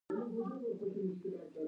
بازار د نوښت غوښتنه کوي.